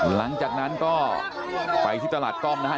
หลังจากนั้นก็ไปที่ตลาดกล้องนะฮะ